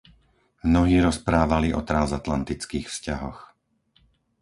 Mnohí rozprávali o transatlantických vzťahoch.